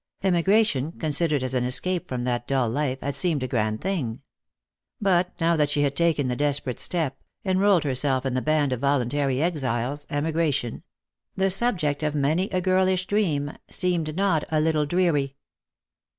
Emigration, considered as an escape from that dull life, ad seemed a grand thing. But now that she had taken the desperate step, enrolled herself in the band of voluntary exiles, emigration — the subject of many a girlish dream — seemed not a little dreary.